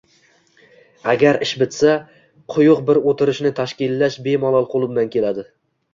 – Agar ish bitsa, quyuq bir o‘tirishni tashkillash bemalol qo‘limdan keladi